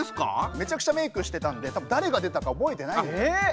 めちゃくちゃメークしてたんで多分誰が出たか覚えてない。